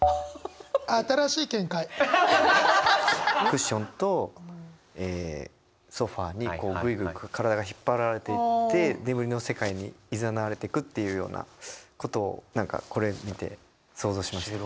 クッションとソファーにこうぐいぐい体が引っ張られていって眠りの世界に誘われていくっていうようなことを何かこれ見て想像しました。